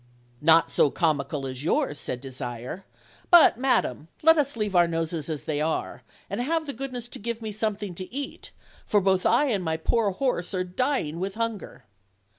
"Not so comical as yours," said Desire; "but, madam, let us leave our noses as they are, and have the goodness to give me something to eat, for both I and my poor horse are dying with hunger."